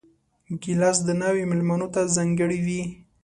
ګیلاس د ناوې مېلمنو ته ځانګړی وي.